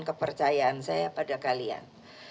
kepercayaan saya pada kalian